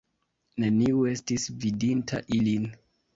Neniu estis vidinta ilin.